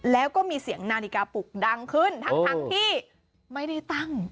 แล้วก็มีเสียงนาฬิกาปุกดังขึ้นทั้งที่ไม่ได้ตั้ง